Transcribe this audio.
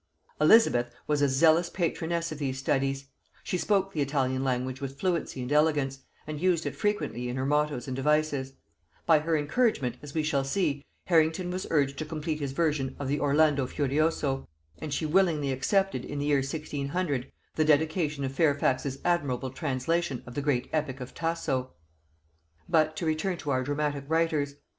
Elizabeth was a zealous patroness of these studies; she spoke the Italian language with fluency and elegance, and used it frequently in her mottos and devices: by her encouragement, as we shall see, Harrington was urged to complete his version of the Orlando Furioso, and she willingly accepted in the year 1600 the dedication of Fairfax's admirable translation of the great epic of Tasso. But to return to our dramatic writers